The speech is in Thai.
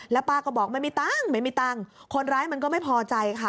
แล้วป้าก็บอกไม่มีตังค์คนร้ายมันก็ไม่พอใจค่ะ